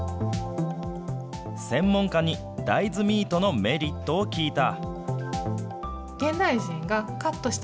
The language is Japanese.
専門家に大豆ミートのメリットを聞いた。